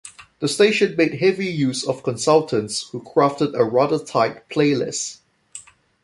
The station made heavy use of consultants who crafted a rather tight playlist.